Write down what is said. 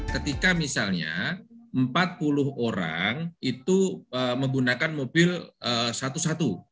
ketika misalnya empat puluh orang itu menggunakan mobil satu satu